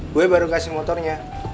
gue baru kasih motornya